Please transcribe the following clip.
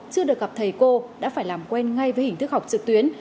chưa được gặp thầy cô đã phải làm quen ngay với hình thức học trực tuyến